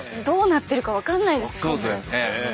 どうなってるか分かんないですもんね。